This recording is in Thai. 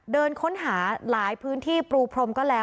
เดินค้นหาหลายพื้นที่บรูพรม